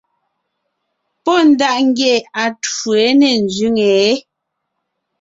Pɔ́ ndaʼ ngie atwó yé ne ńzẅíŋe yé.